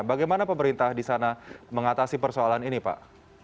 bagaimana pemerintah di sana mengatasi persoalan ini pak